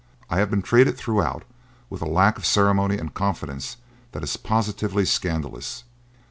I have been treated throughout with a lack of ceremony and confidence that is positively scandalous.